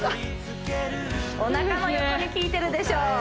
お腹の横に効いてるでしょ